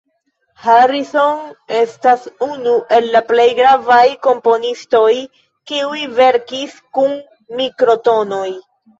Harrison estas unu el la plej gravaj komponistoj kiuj verkis kun mikro-tonoj.